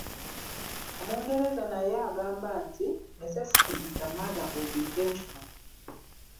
Omungereza naye agamba nti: "Necessity is the mother of invention."